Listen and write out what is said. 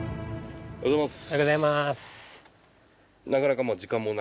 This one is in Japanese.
おはようございます